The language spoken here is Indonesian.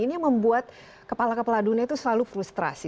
ini yang membuat kepala kepala dunia itu selalu frustrasi